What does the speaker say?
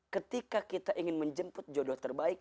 ketika kita ingin menjemput jodoh terbaik